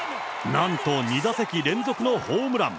なんと２打席連続のホームラン。